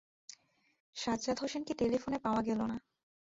সাজ্জাদ হোসেনকে টেলিফোনে পাওয়া গেল না।